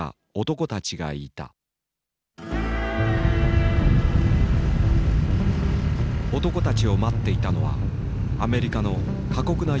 男たちを待っていたのはアメリカの過酷な要求だった。